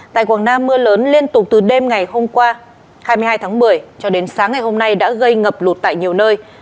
tại quảng nam mưa lớn liên tục từ đêm ngày hôm qua hai mươi hai tháng một mươi cho đến sáng ngày hôm nay đã gây ngập lụt tại nhiều nơi